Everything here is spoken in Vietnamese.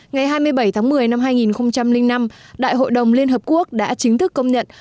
ngày hai mươi bảy tháng một mươi năm hai nghìn năm đại hội đồng liên hợp quốc đã chính thức công nhận